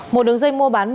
một đường dây mua bán ma